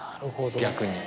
逆に。